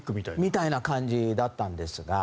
みたいな感じだったんですが。